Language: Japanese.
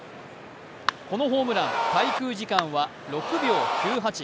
このホームラン、滞空時間は６秒９８。